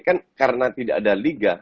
kan karena tidak ada liga